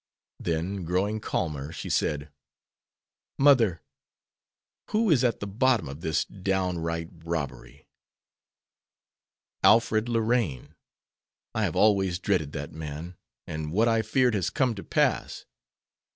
Then growing calmer, she said, "Mother, who is at the bottom of this downright robbery?" "Alfred Lorraine; I have always dreaded that man, and what I feared has come to pass.